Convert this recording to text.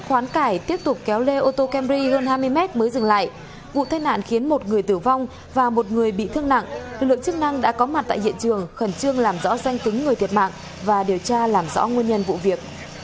hãy đăng ký kênh để ủng hộ kênh của chúng mình nhé